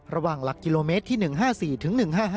ระหว่างหลักกิโลเมตรที่๑๕๔ถึง๑๕๕